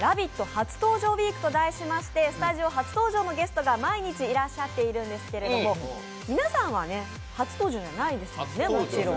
初登場ウィーク」と題しましてスタジオ初登場のゲストが毎日いらっしゃっているんですけど皆さんは初登場じゃないですよねもちろん。